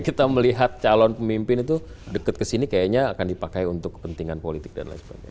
kita melihat calon pemimpin itu dekat kesini kayaknya akan dipakai untuk kepentingan politik dan lain sebagainya